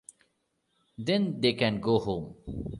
Then they can go home.